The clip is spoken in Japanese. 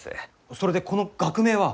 それでこの学名は？